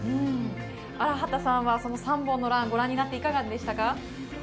荒畑さんは３本のランご覧になっていかがでしたか？